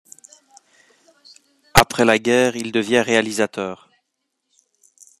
Après la guerre, il devient réalisateur.